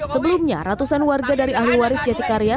sebelumnya ratusan warga dari ahli waris jatikarya